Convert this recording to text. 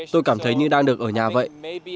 tôi cảm thấy như đang được ở nhà vậy